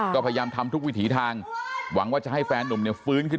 ก็พยายามทำทุกวิถีทางหวังว่าจะให้แฟนนุ่มเนี่ยฟื้นขึ้น